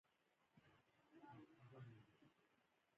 د هغوی د څو کنایو په کیسه کې مه اوسه